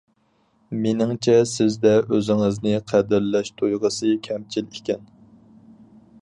مېنىڭچە سىزدە ئۆزىڭىزنى قەدىرلەش تۇيغۇسى كەمچىل ئىكەن.